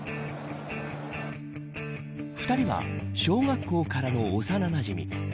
２人は小学校からの幼なじみ。